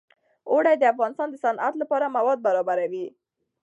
اوړي د افغانستان د صنعت لپاره مواد برابروي.